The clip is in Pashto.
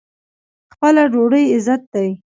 خپله ډوډۍ عزت دی.